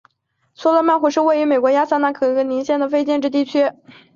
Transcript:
斯通曼湖是位于美国亚利桑那州可可尼诺县的一个非建制地区。